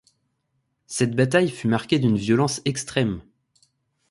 Cette bataille fut marquée d'une violence extrême.